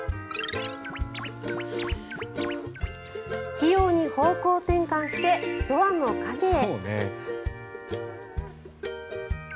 器用に方向転換してドアの陰へ。